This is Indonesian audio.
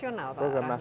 iya kita akan terus